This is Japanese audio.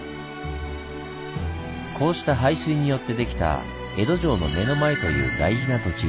こうした排水によってできた「江戸城の目の前」という大事な土地。